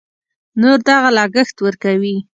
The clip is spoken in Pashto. نور دغه لګښت ورکوي.